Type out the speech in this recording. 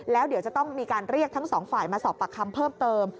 แล้วเดี๋ยวจะต้องมีการเรียกทั้งสองฝ่ายมาสอบปากคำเพิ่มเติม